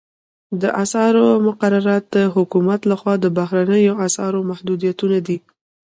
د اسعارو مقررات د حکومت لخوا د بهرنیو اسعارو محدودیتونه دي